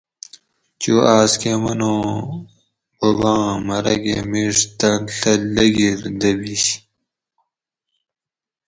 چو آس کہ منو اُوں بوباۤں مرگہ مِیڄ تن ڷہ لگیر دبیش